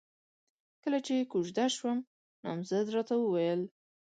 کله چې کوژده شوم، نامزد راته وويل: